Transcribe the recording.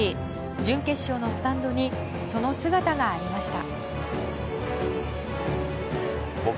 準決勝のスタンドにその姿がありました。